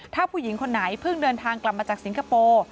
ถ้าผู้หญิงคนไหนเพิ่งเดินทางกลับมาจากสิงคโปร์